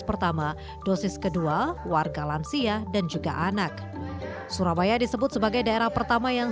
pertama dosis kedua warga lansia dan juga anak surabaya disebut sebagai daerah pertama yang